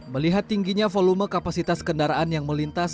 melihat tingginya volume kapasitas kendaraan yang melintas